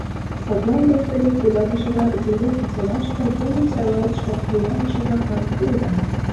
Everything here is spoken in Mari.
Садлан тошто рик вуйлатыше-влак делаштым угыч сайлалтше вуйлатыше-влаклан пуэдат.